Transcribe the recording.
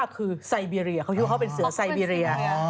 คือไซเบีเรียเขาคิดว่าเขาเป็นเสือไซเบีเรีย